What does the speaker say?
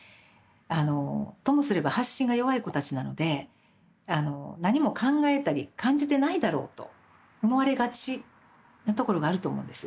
あのともすれば発信が弱い子たちなので何も考えたり感じてないだろうと思われがちなところがあると思うんです。